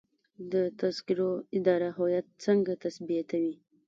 د تذکرو اداره هویت څنګه تثبیتوي؟